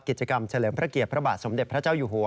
กิจกรรมเฉลิมพระเกียรติพระบาทสมเด็จพระเจ้าอยู่หัว